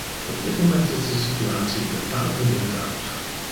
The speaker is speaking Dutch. Op dit moment is de situatie bepaald niet eenvoudig.